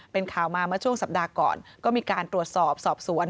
เป็นข่าวมาเมื่อช่วงสัปดาห์ก่อนก็มีการตรวจสอบสอบสวน